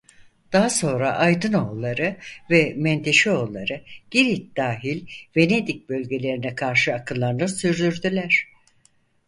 Daha sonra Aydınoğulları ve Menteşeoğulları Girit dahil Venedik bölgelerine karşı akınlarını sürdürdüler.